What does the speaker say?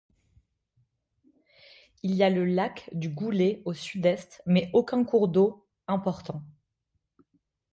Il y a le lac du Goulet au sud-est mais aucun cours d'eau important.